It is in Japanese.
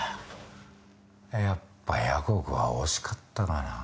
やっぱ１００億は惜しかったかな？